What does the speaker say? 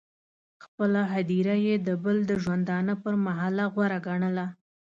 خپله هدیره یې د بل د ژوندانه پر محله غوره ګڼله.